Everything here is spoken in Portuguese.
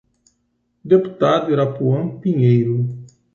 Deputado Irapuan Pinheiro